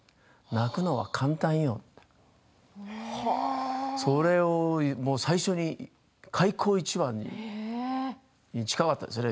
泣くのは簡単よ。それを最初に開口一番に近かったですね。